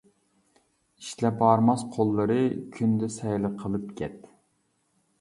ئىشلەپ ھارماس قوللىرى، كۈندە سەيلە قىلىپ كەت.